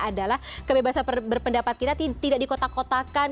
adalah kebebasan berpendapat kita tidak dikotak kotakan